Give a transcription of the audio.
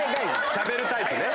しゃべるタイプね。